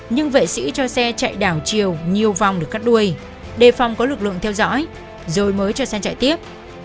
nhưng vệ sĩ cho xe chạy đảo chiều nhiều vòng được cắt đuôi đề phòng có lực lượng theo dõi rồi mới cho xe chạy tiếp